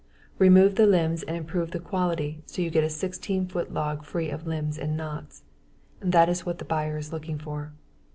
Remove the limbs and improve the quality so you get a 16 foot log free of limbs and knots. That is what the buyer is looking for.